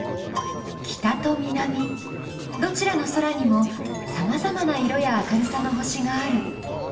どちらの空にもさまざまな色や明るさの星がある。